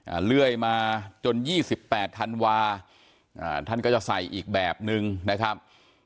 เรื่อยมาจนยี่สิบแปดธันวาอ่าท่านก็จะใส่อีกแบบนึงนะครับ